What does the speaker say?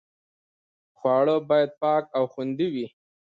خواړه باید پاک او خوندي وي.